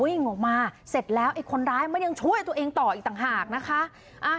วิ่งมาเสร็จแล้วเอ็กส์คนร้ายยังช่วยตัวเองต่ออีกต่างหาก